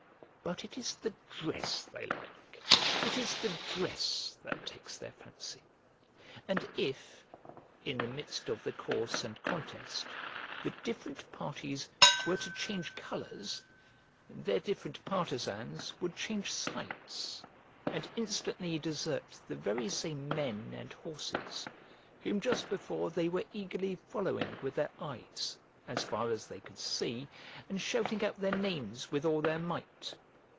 But it is the dress they like; it is the dress that takes their fancy. And if, in the midst of the course and contest, the different parties were to change colours, their different partisans would change sides, and instantly desert the very same men and horses whom just before they were eagerly following with their eyes, as far as they could see, and shouting out their names with all their might.